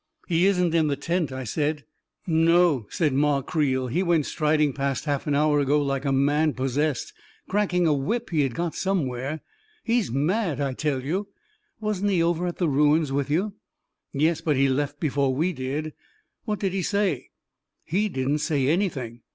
" He isn't in the tent," I said. " No," said Ma Creel. " He went striding past half an hour ago like a man possessed, cracking a whip he had got somewhere. He's mad, I tell you ! Wasn't he over at the ruins with you ?"" Yes; but he left before we did. What did he say?" " He didn't say anything.